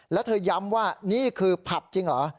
แล้วเธอย้ำว่านี่คือผับจริงเหรอ